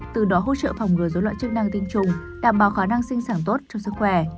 từ đó hỗ trợ phòng ngừa dối loạn chức năng tinh trùng đảm bảo khả năng sinh sản tốt cho sức khỏe